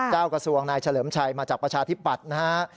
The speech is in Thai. กระทรวงนายเฉลิมชัยมาจากประชาธิปัตย์นะฮะ